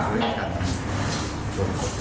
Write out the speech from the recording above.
ไม่มีเจ็บนะที่จะทำเขาแต่แรก